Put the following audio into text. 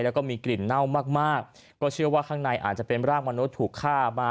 แล้วก็มีกลิ่นเน่ามากมากก็เชื่อว่าข้างในอาจจะเป็นรากมนุษย์ถูกฆ่ามา